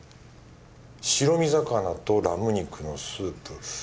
白身魚とラム肉のスープ。